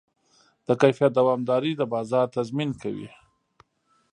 د کیفیت دوامداري د بازار تضمین کوي.